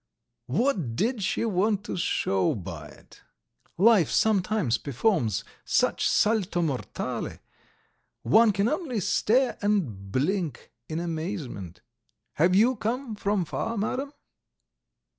What did she want to show by it? Life sometimes performs such 'salto mortale,' one can only stare and blink in amazement. Have you come from far, Madam?"